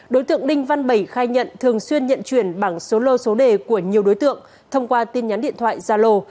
đối tượng đinh văn bảy khai nhận thường xuyên nhận chuyển bảng số lô số đề của nhiều đối tượng thông qua tin nhắn điện thoại zalo